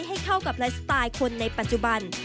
ให้เข้ากับไลฟ์สไตล์คนในปัจจุบัน